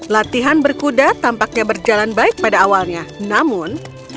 latihan berkuda tampaknya berjalan baik pada awalnya namun